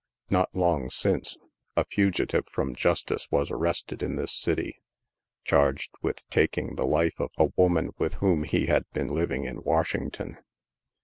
Not long since, a fugitive from justice was ar rested in this city, charged with taking the life of a woman with whom he had been living in Washington.